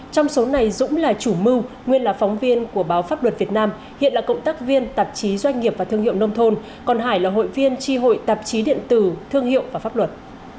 trong số này dũng là chủ mưu nguyên là phóng viên của báo pháp luật việt nam hiện là cộng tác viên tạp chí doanh nghiệp và thương hiệu nông thôn còn hải là hội viên tri hội tạp chí điện tử thương hiệu và pháp luật